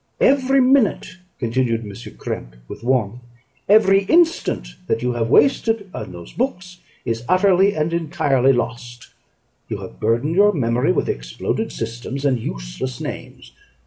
"Every minute," continued M. Krempe with warmth, "every instant that you have wasted on those books is utterly and entirely lost. You have burdened your memory with exploded systems and useless names.